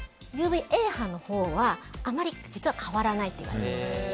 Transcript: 波のほうはあまり変わらないといわれています。